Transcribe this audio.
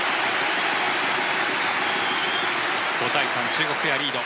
５対３、中国ペアリード。